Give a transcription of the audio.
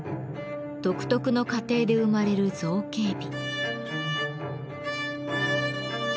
独特の過程で生まれる造形美。